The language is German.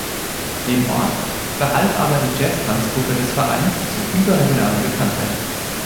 Dem Ort verhalf aber die Jazz-Tanz-Gruppe des Vereins zu überregionaler Bekanntheit.